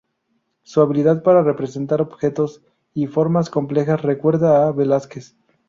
Su habilidad para representar objetos y formas complejas recuerda a Velázquez.